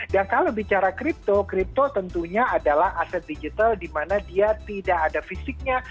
dan kalau bicara kripto kripto tentunya adalah aset digital di mana dia tidak ada fisiknya